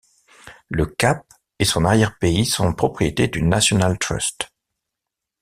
Le cap et son arrière-pays sont propriétés du National Trust.